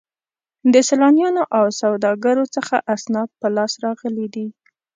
له سیلانیانو او سوداګرو څخه اسناد په لاس راغلي دي.